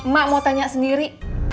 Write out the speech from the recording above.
mak mau tanya sendiri